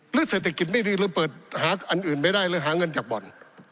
เศรษฐกิจไม่ดีหรือเปิดหาอันอื่นไม่ได้หรือหาเงินจากบ่อน